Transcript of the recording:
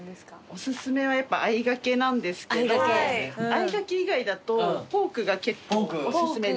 お薦めはやっぱあいがけなんですけどあいがけ以外だとポークが結構お薦めです。